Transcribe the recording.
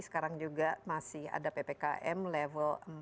sekarang juga masih ada ppkm level empat